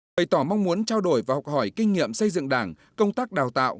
bày tỏ mong muốn trao đổi và học hỏi kinh nghiệm xây dựng đảng công tác đào tạo